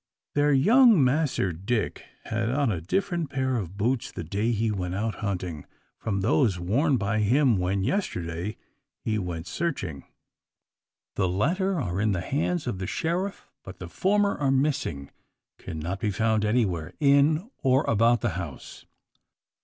Their young "Massr Dick" had on a different pair of boots the day he went out hunting, from those worn by him, when, yesterday, he went searching. The latter are in the hands of the sheriff, but the former are missing cannot be found anywhere, in or about the house!